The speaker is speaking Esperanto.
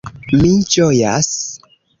Mi ĝojas.